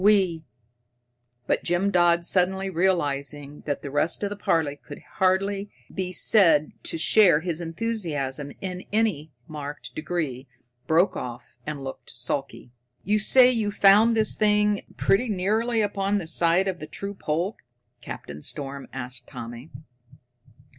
We "But Jim Dodd, suddenly realizing that the rest of the party could hardly be said to share his enthusiasm in any marked degree, broke off and looked sulky. "You say you found this thing pretty nearly upon the site of the true pole?" Captain Storm asked Tommy.